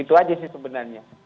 itu saja sih sebenarnya